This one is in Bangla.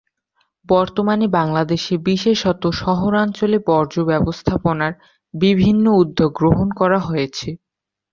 বর্তমানে বাংলাদেশে, বিশেষত শহরাঞ্চলে বর্জ্য ব্যবস্থাপনার বিভিন্ন উদ্যোগ গ্রহণ করা হয়েছে।